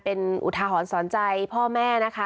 เป็นอุทาหรณ์สอนใจพ่อแม่นะคะ